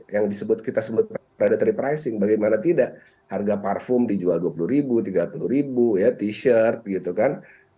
yang disebut predatory pricing bagaimana tidak harga parfum dijual dua puluh ribu tiga puluh ribu t shirt gitu kan